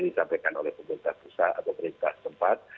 disampaikan oleh pemerintah pusat atau pemerintah tempat